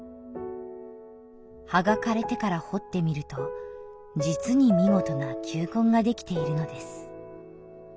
「葉が枯れてから掘ってみると実に見事な球根が出来ているのです」